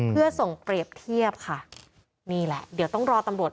เพื่อส่งเปรียบเทียบค่ะนี่แหละเดี๋ยวต้องรอตำรวจ